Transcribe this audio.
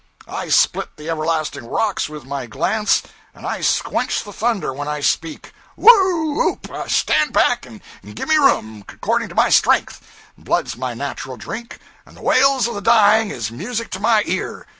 I split the everlasting rocks with my glance, and I squench the thunder when I speak! Whoo oop! Stand back and give me room according to my strength! Blood's my natural drink, and the wails of the dying is music to my ear!